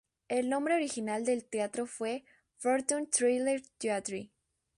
El nombre original del teatro fue Fortune Thriller Theatre.